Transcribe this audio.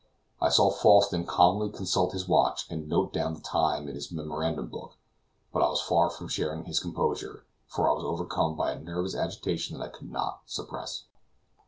I saw Falsten calmly consult his watch, and note down the time in his memorandum book, but I was far from sharing his composure, for I was overcome by a nervous agitation that I could not suppress.